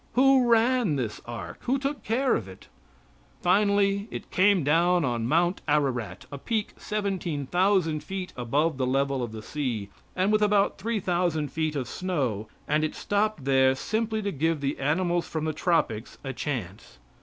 Who ran this ark who took care of it? Finally it came down on Mount Ararat, a peak seventeen thousand feet above the level of the sea, with about three thousand feet of snow, and it stopped there simply to give the animals from the tropics a chance.